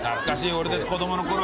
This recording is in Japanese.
俺たち子供のころ